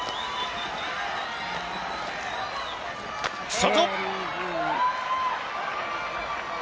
外。